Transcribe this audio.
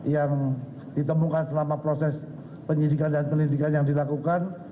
yang ditemukan selama proses penyidikan dan penyelidikan yang dilakukan